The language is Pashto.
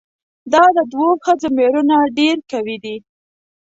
دا د دوو ښځو ميړونه ډېر قوي دي؟